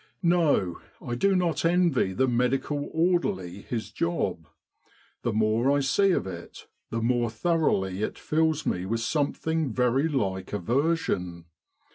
" No; I do not envy the medical orderly his job. The more I see of it the more thoroughly it fills me with something very like aversion.